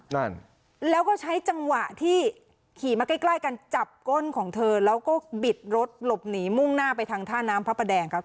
นั่นแล้วก็ใช้จังหวะที่ขี่มาใกล้ใกล้กันจับก้นของเธอแล้วก็บิดรถหลบหนีมุ่งหน้าไปทางท่าน้ำพระประแดงครับ